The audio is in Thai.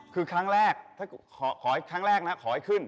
คือครั้งแรกขอให้ขึ้น